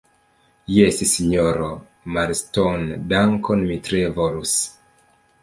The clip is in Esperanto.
Jes, sinjoro Marston, dankon, mi tre volus.